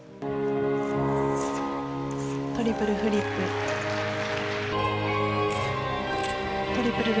トリプルフリップ。